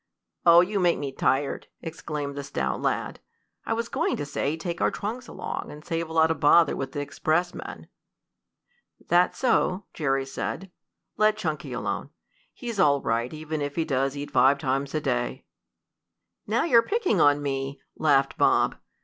"Oh, you make me tired!" exclaimed the stout lad. "I was going to say take our trunks along, and save a lot of bother with the expressman." "That's so," Jerry said. "Let Chunky alone, Ned. He's all right, even if he does eat five times a day." "Now you're picking on me!" laughed Bob.